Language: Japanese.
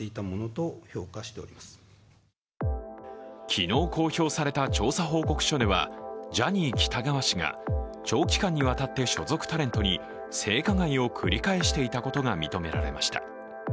昨日、公表された調査報告書ではジャニー喜多川氏が長期間にわたって所属タレントに性加害を繰り返していたことが認められました